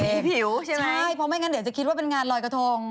ผิวใช่ไหมเพราะไม่งั้นเดี๋ยวจะคิดว่าเป็นงานลอยกระทง